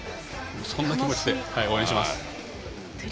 そんな気持ちで応援します。